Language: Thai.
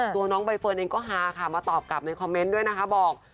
น้องใบเฟิร์นเองก็ฮาค่ะมาตอบกลับในคอมเมนต์ด้วยนะคะบอก